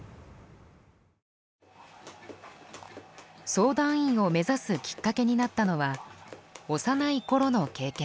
相談員を目指すきっかけになったのは幼いころの経験です。